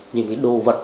những cái đồ vật